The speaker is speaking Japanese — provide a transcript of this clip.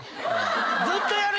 ずっとやるよ